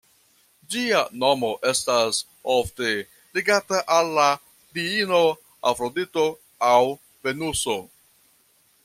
Ĝia nomo estas ofte ligata al la diino Afrodito aŭ Venuso.